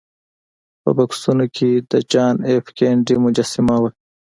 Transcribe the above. په بکسونو کې د جان ایف کینیډي مجسمه وه